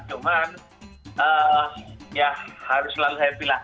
cuman ya harus selalu happy lah